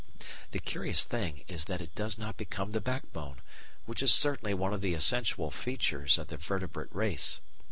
The curious thing is that it does not become the backbone, which is certainly one of the essential features of the vertebrate race.